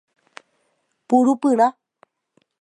Purupyrã